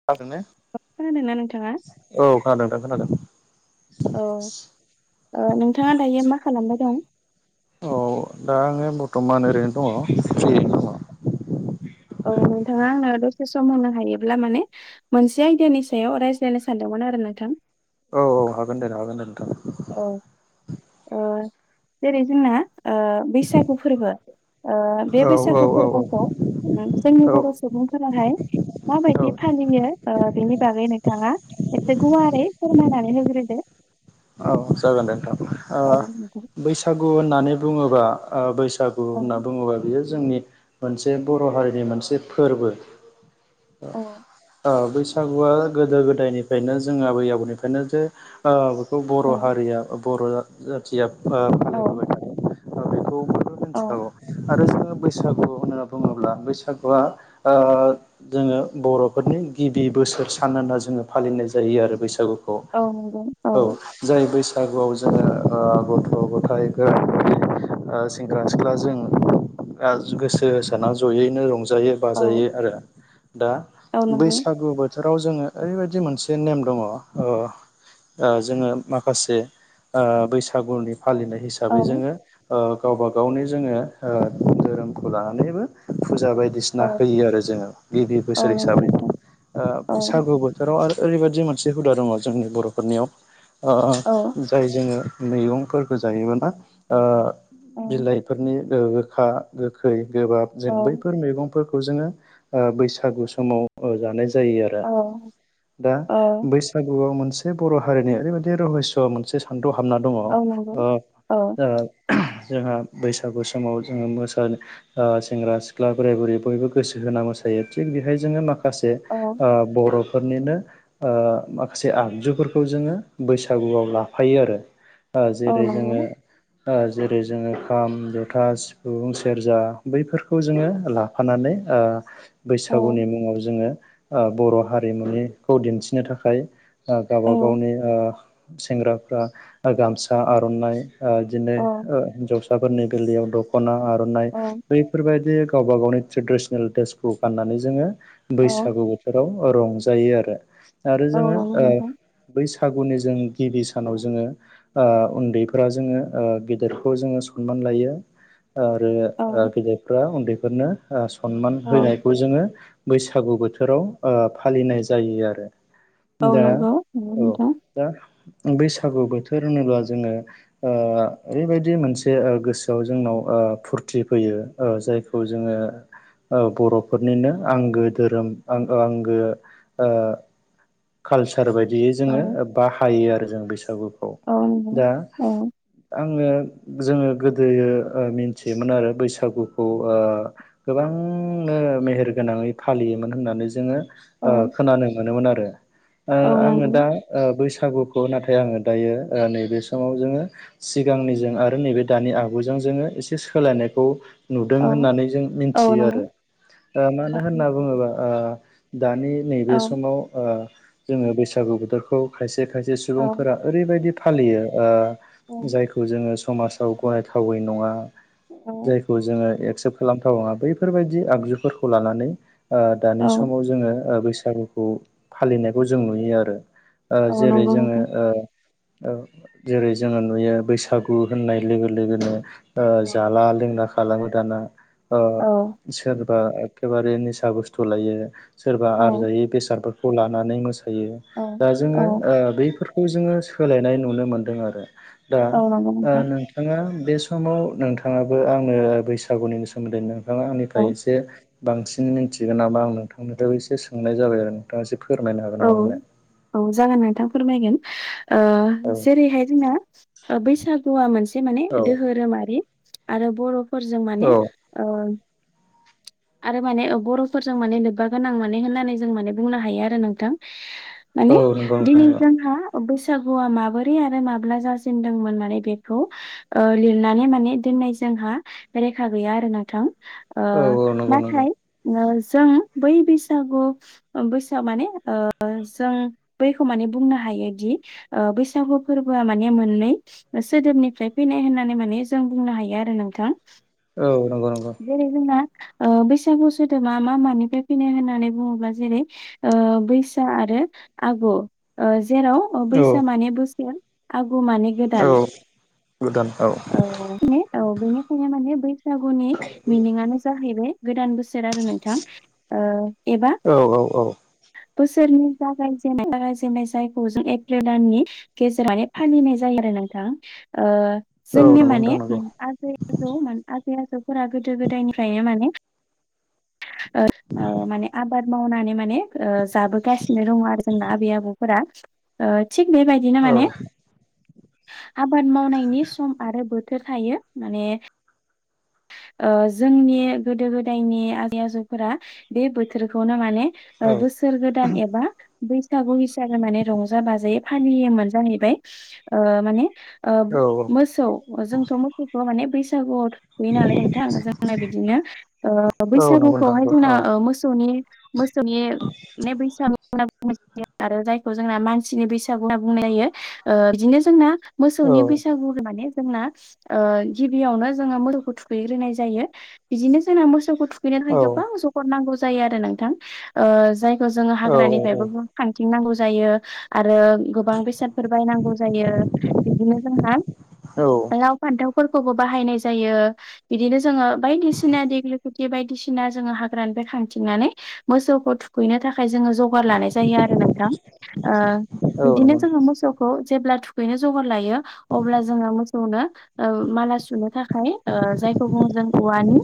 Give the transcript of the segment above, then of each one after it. [unintelligible] खोनादोंना नोंथाङा? औ खोनादों नोंथां खोनादों। औ ओ नोंथाङा दायो मा खालामबाय दं? औ दा आङो बर्थमान ओरैनो दङ। [inaudible] औ नोंथाङा आंनो दसे सम होनो हायोब्ला माने मोनसे आयदानि सायाव रायज्लायनो सानदोंमोन आरो नोंथां। औ औ हागोन दे हागोन दे नोंथां। औ ओ जेरै जोंना ओ बैसागु फोरबो ओ बे औ औ औ बैसागु औ फोरबोखौ जोंनि औ बर' सुबुंफोराहाय माबायदि औ फालियो ओ बेनि बागै नोंथाङा एसे गुवारै फोरमायनानै होग्रोदो। औ जागोन नोंथां ओ औ नंगौ बैसागु होननानै बुङोबा ओ बैसागु औ होनना बुङोबा बियो जोंनि मोनसे बर' हारिनि मोनसे फोरबो। औ बैसागुआ गोदो गोदायनिफ्रायनो जों आबै आबौनिफ्रायनो जे ओ बेखौ बर' हारिया बर' जा-जाथिया ओ फालि [inaudible] औ औ मोनथिखागौ आरो जोङो बैसागु होनना बुङोब्ला बैसागुआ ओ जोङो बर'फोरनि गिबि बोसोर सान होनना जोङो फालिनाय जायो आरो बैसागुखौ। औ नंगौ औ जाय बैसागुआव जोङो गथ' गथाय [inaudible] ओ सेंग्रा सिख्ला जों ओ गोसो होसारना जयैनो रं जायो औ बायो आरो दा औ नंगौ बैसागु बो बोथोराव जोङो ओरैबायदि मोनसे नेम दङ। ओ ओ जोङो माखासे ओ बैसागुनि फालिनाय हि औ हिसाबै जोङो ओ-गावबा गावनो जोङो ओ-धोरोमखौ लानानैबो फुजा बाय दिसिना औ होयो आरो जोङो गिबि औ बोसोर नंगौ हिसाबै। नोंथां औ बैसागु बोथोराव आरो ओरैबायदि मोनसे हुदा दङ जोंनि बरफोरनियाव। औ ओ-जाय जोङो मैगंफोरखौ जायो ना ओ औ बिलाइफोरनि गोखा गोखै गोबाब जों बैफोर मैगं। फोरखौ जोङो ओ-बैसागु समाव ओ-जा जायो आरो औ दा औ बै। बैसागुआव मोनसे बर हारिनि ओरैबायाददि रहय मोनसे। सान्थौ हाबना दङ ओ- औ नंगौ ओ औ जोंहा बैसागु समाव जोङो मोसानो। सेंग्रा सिख्ला बोराय बुरै बयबो गोसो होना मोसायो थिग बेहाय जोङो माख माखासे औ ओ-बरफोरनिनो। ओ-माखासे आगजुफोरखौ जोङो बैसागुआव लाफायो आरो। औ जेरै जोङो। नंगौ ओ-जेरै जोङो खाम जथा सिफुं सेरजा बैफोरखौ जोङो ला फानानै। औ बैसागुनि मुङाव जोङो बर हारिमुनिखौ दिन्थिनो थाखाय। औ गावबा गावनि ओ-सेंग्राफ्रा गामसा आरनाइ। बिदिनो औ हिन्जावसाफोरनि बिलयाव दखना आरनाइ बैफोरबायदि। गावबा गावनि ट्रेडिसनेल ड्रेसखौ गाननानै जोङो औ बैसागु बोथोराव। रंजायो आरो आरो औ जोङो नंगौ ओ नोंथां बैसागुनि जों गिबि सानाव जोङो ओ-उन्दैफोरा जोङो। ओ-गेदेरखौ जोङो सनमान लायो आरो औ गेदर फोरा उन्दैफोरनो ओ-सनमान औ होनायखौ जोङो। बैसागु बोथोराव ओ-फालिनाय जायो आरो औ दाना नंगौ नंगौ औ। नोंथां दा बैसागु बोथोर होनोब्ला जोङो ओ ओरैबायदि मोनसे गोसोआव जोंनाव फुरथि फैयो जायखौ जोङो। औ बरफोरनिनो आंगो धोरोम आ आंगो ओ कालसार बायदियै औ जोङो बाहायो आरो जों बैसागुखौ औ नंगौ दा। औ आङो जोङो गोदोयो ओ-मिथियोमोन आरो बैसागुखौ ओ गोबांनो मेहेर गोनाङै फालियोमोन होननानै जोङो। औ ओ-खोनानो मोनोमोन आरो। औ ओ-आङो नंगौ दा ओ-बैसागुखौ नाथाय आङो दायो नैबे समाव जोङो। सिगांनि जों आरो नैबे दानि आगुजों जोङो एसे सोलायनायखौ। नुदों औ होननानै जों औ मिथियो आरो नंगौ औ मानो होनना बुङोबा ओ-दानि। नैबे औ समाव ओ-जोङो बैसागु बोथोरखौ खायसे खायसे औ सुबुंफोरा। ओरैबायदि फालियो औ ओ-जायखौ जोङो समाजाव गनायथावै नङा। जायखौ जोङो एक्सेप्ट खालामथावङा बैफोरबायदि आगजुफोरखौ लानानै। ओ-दानि औ समाव जोङो बैसागुखौ फालिनायखौ जों नुयो आरो। औ ओ-जेरै नंगौ जोङो। नोंथां जेरै जोङो नुयो बैसागु होननाय लोगो लोगोनो। औ ओ-जाला लोंना खालामो दाना ओ औ सोरबा एखेबारि निसा बुस्थु लायो सोरबा औ आरजायै बेसाद फोर। खौ लानानै मोसायो दा औ जोङो ओ-बैफोर। खौ जोङो सोलायनाय नुनो मोनदों आरो दा औ नंगौ नों। नोंथां नोंथाङा बे समाव नोंथाङाबो आंनो बैसागुनिनो सोमोन्दै नोंथाङा औ आंनिफ्राय एसे। बांसिन मिथिगोन नामा आं नोंथांनिफ्राय एसे सोंनाय जाबाय आरो नोंथाङा एसे फोरमायनो हागोन औ नामा आंनो। औ जागोन नोंथां फोरमायगोन ओ-जेरैहाय जोंना बैसाग हौवा मोनसे माने औ दोधोरोमारि आरो बरफोरजों माने औ औ ओ आरो माने बरफोरजों माने लोब्बा गोनां माने होननानै जों माने बुंनो हायो आरो नों औ माने नंगौ नोंथां दिनै नंगौ जोंहा बैसागुआ माबोरै आरो माब्ला जाजेेनदोंमोननानै बेखौ लिरनानै माने दोननाय जोंहा रेखा गैया आरो नोंथां औ नंगौ नंगौ नाथाय जों बै बैसागु बैसोआव माने जों बैखौ माने बुंनो हायोदि बैसागु फोरबोआ माने मोननै सोदोबनिफ्राय फैनाय होननानै माने जों बुंनो हायो आरो नोंथां औ नंगौ नंगौ दिनै जोंहा बैसागु सोदोमा मा मानिफ्राय फैनो होननानै बुङोब्ला जेरै ओ बैसा आरो आगु जेराव औ बैसा माने बोसोर आगु माने औ गोदान गोदान औ औ औ बेनिखायनो माने बैसागुनि मिनिंआनो जाहैबाय गोदान बोसोर आरो नोंथां एबा औ औ औ बोसोरनि जागायजेननाय जागायजेननाय जायगायाव जों एप्रिल दाननि गेजेराव माने फालिनाय जायो आरो नोंथां औ जोंनि नंगौ माने नोंथां नंगौ आ [unintelligible] आजैय आजौ फोरा गोदो गोदायनिफ्रायनो माने माने आबाद मावनानै माने जाबोगासिनो दङ आरो जोंना आबै आबौफोरा थिग औ बेबायदिनो माने आबाद मावनायनि सम आरो बोथोर थायो माने जोंनि गोदो गोदायनि आजै आजौफोरा बे बोथोरखौनो माने औ बोसोर गोदान एबा बैसागु हिसाबै माने रंजा बाजायै फालियोमोन जाहैबाय माने औ मोसौ जोंथ' मोसौखौ माने बैसागु गैय नालाय नोंथां जोंना बिदिनो नंगौ नोंथां बैसागुखौहाय नंगौ औ जोंना मोसौनि म बैसा ना बुंआरो जायखौ जोंना मानसिनि बैसोआ होनना बुंनाय जायो बिदिनो जोंना औ मोसौनि बैसागु माने जोंना गिबियावनो जोङो मोसौखौ थुखैग्रोनाय जायो बिदिनो जोंना मोसौखौुखयो बेनि औ थाखाय गोबां जखद नांगौ जायो आरो नोंथां जायखौ जोङो औ औ औ हाग्रानिफ्रायबो खांथिं नांगौ जायो आरो गोबां बेसादफोर बायनांगौ जायो बिदिनो जोंहा नंगौ औ फान्थावफोरखौबो बाहायनाय जायो बिदिनो जोङो बायदिसिना दगलि बे बायदिसिना जोङो हाग्रानिफ्राय खांथिंनानै मोसौखौ थुखैनो थाखाय जोङो बोर लानाय जायो आरो नोंथां औ बिदिनो नंगौ औ नंगौ नोंथां औ नंगौ औ नंगौ औ नंगौ औ नंगौ औ नंगौ नोंथां औ नंगौ जोङो मोसौ जेब्ला थुखैनो जगार लायो अब्ला जोङो मोसौनो माला सुनो थाखाय जायखौ बुङो जों औवानि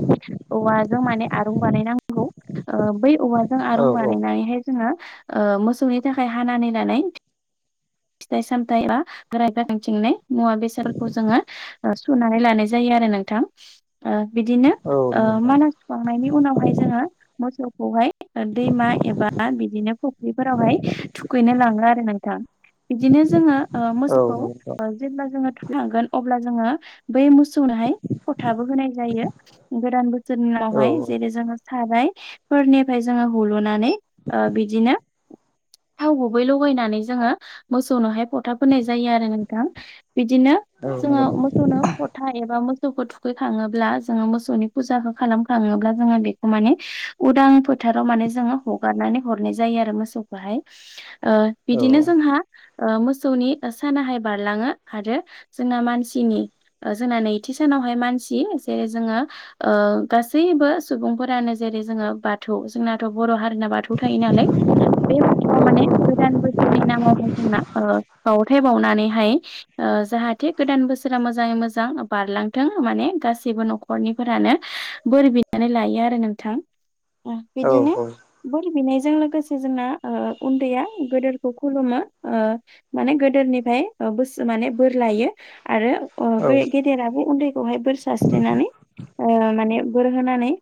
औवाजों माने आरुं बानायनांगौ बै औवाजों आरुं बानायनानैहाय जोंहा मोसौनि थाखाय हानानै लानाय फिथाइ सामथायाइ बा गोराय गोाखांथिंनो मुवा बेसादफोरखौ जोङो सुनानै लानाय जायो आरो नोंथां बिदिनो माला सुखांनायनि उनावहाय जोङो मोसौखौहाय दैमा एबा बिदिनो फुख्रिफोरावहाय थुखैनो लाङो आरो नोंथां बिदिनो जोङो मोसौखौ जेब्ला जोङो थांगोन अब्ला जोङो बै मोसौनोहाय खथाबो होनाय जायो गोदान बोसोरनिनावहाय जेरै जोङो सारायफोरनिफ्राय जोङो हुलुनानै ओ‌ बिदिनो थाव गुबै लगायनानै जोङो मोसौनोहाय फथा फोननाय जायो आरो नोंथां बिदिनो जोंड़ो मोसौनो खथा एबा मोसौखौ थुखैखाङोब्ला जोङो मोसौनि फुजाखौ खालाम खाङोब्ला जोङो बेखौ माने उदां‌ फो फोथाराव माने जोङो हगारनानै हरनाय जायो आरो मोसौखौहाय ओ बिदिनो जोंहा ओ मोसौनि सानाहाय बारलाङो आरो जोंना मानसिनि। ओ जोंना नैथि सानावहाय मानसि जेरै जोङो ओ गासैबो सुबुंफोरानो जेरै जोङो बा बाथौ जोंनाथ' बर' हारिना बाथौ थायो नालाय बे बा थौआ माने गोदान बोसोरनि नामावहाय जोंना ओ बावथाय बावनानैहाय ओ जाहाथे गोदान बोसोरा मोजाङै मोजां बारलांथों माने गासैबो न'खरनिफोरानो। बोर बिनानै लायो आरो नोंथां अ बिदिनो बोर बिनायजों लोगोसे जोंना ओ उन्दैया गोदोरखौ खुलुमो। ओ माने गोदोनिफ्राय ओ बुसु माने बोर लायो। आरो अ' गे गेदेराबो उन्दैखौहाय बोर सारस्रिनानै ओ माने बोर होनानै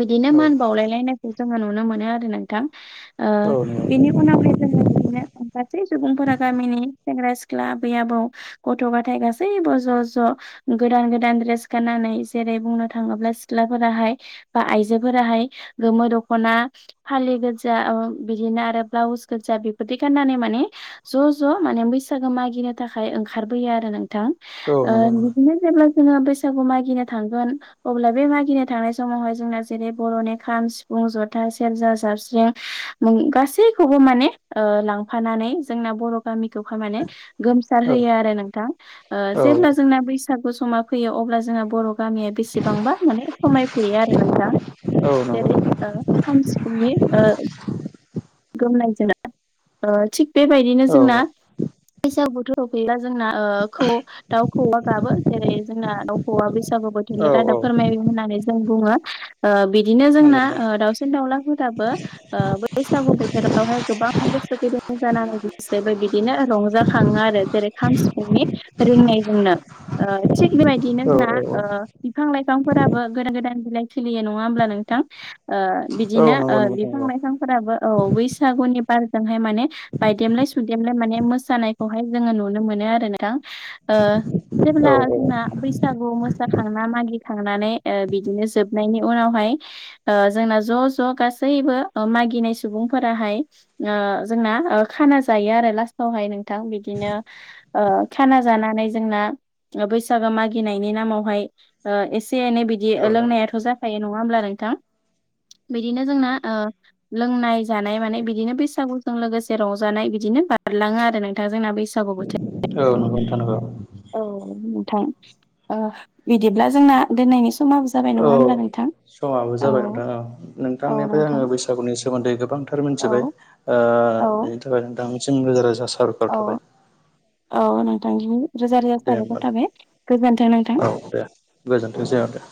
बिदिनो मान बावलायलायनायखौ जोङो नुनो मोनो आरो नोंथां। ओ‌ बेनि उनावहाय जोङो बिदिनो गासै सुबुंफोरा गामिनि सेंग्रा - सिख्ला आबै - आबौ गथ'- गथाइ गासैबो ज'ज' गोदान गोदान ड्रेस गाननानै जेरै बुंनो थाङोब्ला सिख्लाफोरा हाय बा आइजोफोराहाय गोमो दख'ना फालि गोजा ओ बिदिनो आरो ब्लाउस गोजा बेफोरदि गाननानै माने ज' ज' माने बैसागो मागिनो थाखाय ओंखारबोयो आरो नोंथां। ओ‌ बिदिनो जेब्ला जों जोङो बैसागु मागिनो थांगोन अब्ला बे मागिनो थांनाय समावहाय जोंना जेरै बर'नि खाम, सिफुं, जथा, सेरजा, जाबस्रिं उम गासैखौबो माने ओ लांफानानै जोंना बर' गामिखौ हाय माने गोमसार होयो आरो नोंथां। ओ जेब्ला जोंना बैसागु समा फैयो अब्ला जोंना बर' गामिया बेसेबांबा माने समायफ्लेयो आरो नोंथां। जेरै ओ खाम सिफुंनि ओ गोमनायजोंनो ओ थिग बेबायदिनो जोंना बैसागु बोथोर फैबा जोंना ओ खौऔ दाउखौवा गाबो। जेरै जोंना दाउखौवा बैसागु बोथोरनि रादाब फोरमाय होननानै जेरै जों बुङो ओ बिदिनो जोंना ओ दाउसिन दाउलाफोराबो ओ बै सागु बोथोरावहाय गोबां गोसो गुदुं जानांगौ बिसोरबो बिदिनो रंजाखाङो आरो जेरै खाम, सिफुं नि रोंनायजोंनो थिग बेबायदिनो जोंहा ओ बिफां लाइफांफोराबो गोदान गोदान बिलाइ खिलियो नङा होमबा नोंथां। ओ‌ बिदिनो ओ बिफां नंगौ लाइफांफोराबो औ बैसागुनि बारजोंहाय माने बायदेमलाय सुयदेमलाय माने मोसानायखौहाय जोङो नुनो मोनो आरो नोंथां। ओ जेब्ला औ औ जोंना बै सागु मोसाखांना मागि खांनानै ओ बिदिनो जोबनायनि उनावहाय ओ जोंना ज' ज' गासैबो अ मागिनाय सु बुंफोराहाय ओ जोंना ओ खाना जायो आरो लास्टावहाय नोंथां बिदिनो ओ खाना जानानै जोंना ओ बैसागो मागिनायनि नामावहाय ओ एसे एनै बि बिदि ओ औ नोंथां लोंनायाथ' जाखायो नङा होमब्ला नोंथां बिदिनो जोंना ओ लोंनाय जानाय माने बिदिनो बैसागुजों लोगोसे रंजानाय बिदिनो बारलाङो आरो नोंथां जोंना बैसागु बोथोर औ नंगौ नोंथां नंगौ। औ नोंथां ओ बिदिब्ला जोंना दोननायनि समाबो जाबाय नङा औ होमब्ला नोंथां। समाबो औ जाबाय नोंथां ओ औ नोंथांनिफ्राय नोंथां आङो बैसागुनि सोमोन्दै गोबांथार मोनथिबाय। औ ओ औ बेनि थाखायनो नोंथांनिसिम रोजा रोजा सार औ औ नोंथांनि रोजा रोजा दे साबायखर होमबा थाबाय गोजोन्थों नोंथां। गोजोनथों ज दे